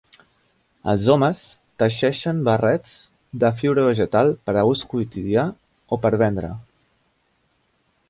Els homes teixeixen barrets de fibra vegetal per a ús quotidià o per vendre.